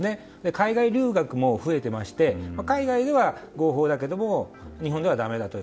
海外留学も増えていて海外では合法だけども日本ではだめだと。